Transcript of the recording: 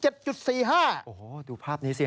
โอ้โฮดูภาพนี้สิครับ